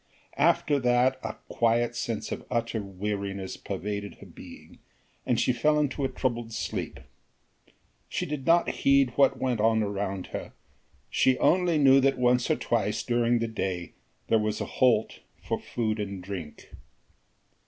After that a quiet sense of utter weariness pervaded her being, and she fell into a troubled sleep. She did not heed what went on around her, she only knew that once or twice during the day there was a halt for food and drink.